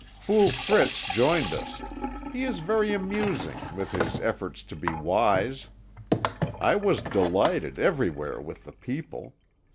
Fool Fritz joined us; he is very amusing, with his efforts to be wise. I was delighted everywhere with the people.